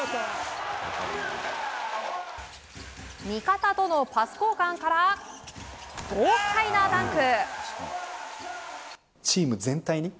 味方とのパス交換から豪快なダンク。